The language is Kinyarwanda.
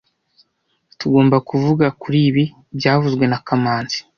Tugomba kuvuga kuri ibi byavuzwe na kamanzi